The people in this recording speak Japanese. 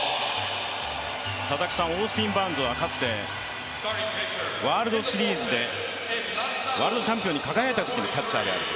オースティン・バーンズはかつてワールドシリーズでワールドチャンピオンに輝いたときのキャッチャーです。